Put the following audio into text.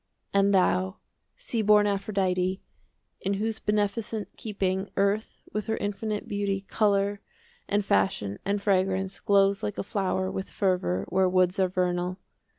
And thou, sea born Aphrodite, 25 In whose beneficent keeping Earth, with her infinite beauty, Colour and fashion and fragrance, Glows like a flower with fervour Where woods are vernal!